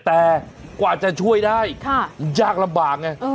แต่กว่าจะช่วยได้ยากลำบากไง